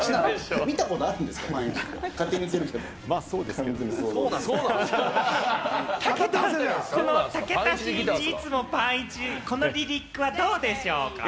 たけたん、武田真一、いつもパンイチ、このリリックはどうでしょう？